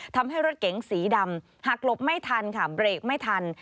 ทำให้รถเก๋งสีดำหักหลบไม่ทันค่ะเบรกไม่ทัน